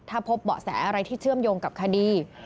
ถ้าพบเบาะแสอะไรที่เชื่อมโยงกับคดี